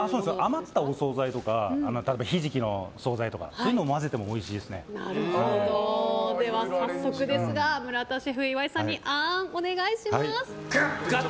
余ったお総菜とかひじきの総菜とか早速ですが村田シェフ、岩井さんにあーん、お願いします。